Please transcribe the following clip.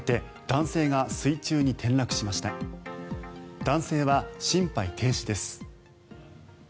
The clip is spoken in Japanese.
男性は心肺停止です。